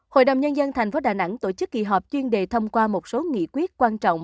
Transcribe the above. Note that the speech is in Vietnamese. hội đồng nhân dân tp đà nẵng tổ chức kỳ họp chuyên đề thông qua một số nghị quyết quan trọng